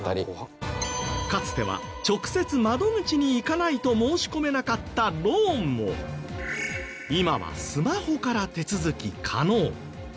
かつては直接窓口に行かないと申し込めなかったローンも今はスマホから手続き可能。